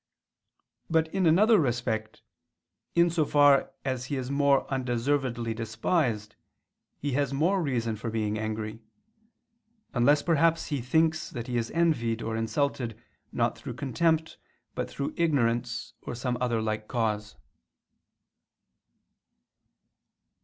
But in another respect, in so far as he is more undeservedly despised, he has more reason for being angry: unless perhaps he thinks that he is envied or insulted not through contempt but through ignorance, or some other like cause.